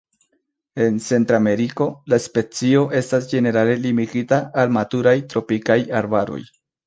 En Centrameriko, la specio estas ĝenerale limigita al maturaj tropikaj arbaroj.